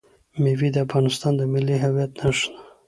مېوې د افغانستان د ملي هویت نښه ده.